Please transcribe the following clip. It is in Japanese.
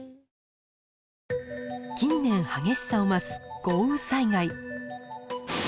近年激しさを増す豪雨災害。